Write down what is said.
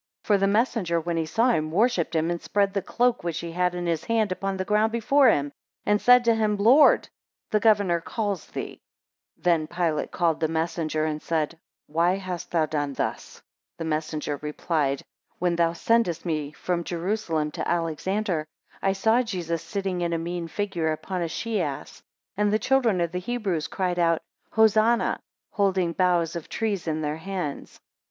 For the messenger, when he saw him, worshipped him, and spread the cloak which he had in his hand upon the ground before him, and said to him, Lord, the governor calls thee. 11 Then Pilate called the messenger, and said, Why hast thou done thus? 12 The messenger replied, When thou sentest me from Jerusalem to Alexander, I saw Jesus sitting in a mean figure upon a she ass, and the children of the Hebrews cried out, Hosannah, holding boughs of trees in their hands.